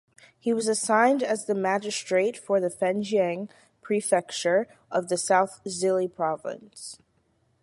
He was assigned as the magistrate of the Fengxiang Prefecture of the South Zhili Province.